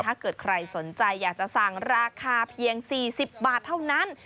ถ้าเกิดใครสนใจอยากจะสั่งราคาเพียง๔๐บาทเท่านั้น